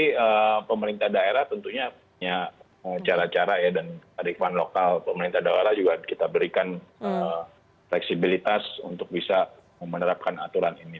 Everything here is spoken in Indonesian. pemerintah daerah tentunya punya cara cara ya dan adikman lokal pemerintah daerah juga kita berikan fleksibilitas untuk bisa menerapkan aturan ini